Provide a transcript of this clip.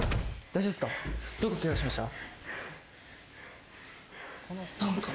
大丈夫ですか？